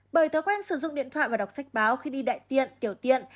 bởi thói quen sử dụng điện thoại và đọc sách báo khi đi đại tiện tiểu tiện